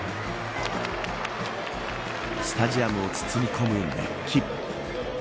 スタジアムを包み込む熱気。